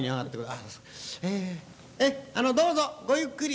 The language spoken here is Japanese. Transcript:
「あえあのどうぞごゆっくり。